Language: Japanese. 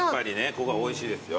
ここはおいしいですよ。